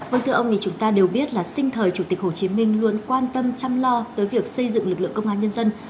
vâng thưa ông thì chúng ta đều biết là sinh thời chủ tịch hồ chí minh luôn quan tâm chăm lo tới việc xây dựng lực lượng công an nhân dân